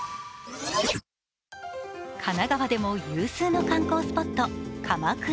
神奈川でも有数の観光スポット、鎌倉。